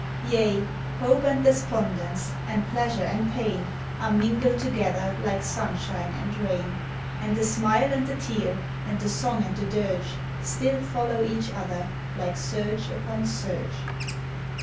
Yea! hope and despondence, and pleasure and pain, Are mingled together like sunshine and rain; And the smile and the tear, and the song and the dirge, Still follow each other, like surge upon surge.